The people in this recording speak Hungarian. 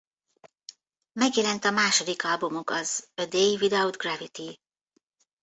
Megjelent a második albumuk az A Day Without Gravity.